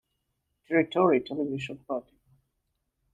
Territory Television Pty.